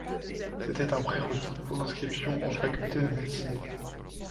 C'était un pré-requis pour l'inscription en faculté de médecine.